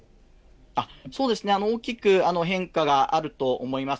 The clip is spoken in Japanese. そうですね、大きく変化があると思います。